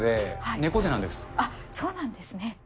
そうなんですね。